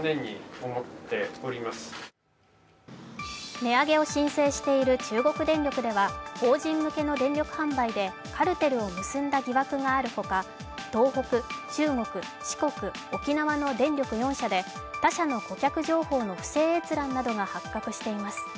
値上げを申請している中国電力では法人向けの電力販売でカルテルを結んだ疑惑がしるほか東北、中国、四国、沖縄の電力４社で他社の顧客情報の不正閲覧などが発覚しています。